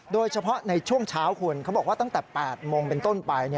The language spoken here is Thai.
โดยเฉพาะในช่วงเช้าคุณเขาบอกว่าตั้งแต่๘โมงเป็นต้นไป